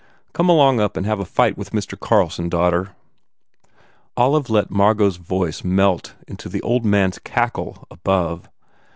Come along up and have a fight with Mr. Carlson, daughter." Olive let Margot s voice melt into the old man s cackle above.